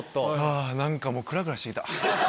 なんかもうクラクラしてきた。